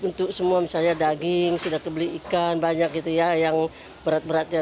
untuk semua misalnya daging sudah kebeli ikan banyak gitu ya yang berat beratnya